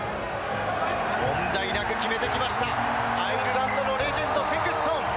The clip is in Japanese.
問題なく決めてきました、アイルランドのレジェンド、セクストン。